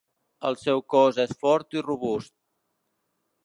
El seu cos és fort i robust.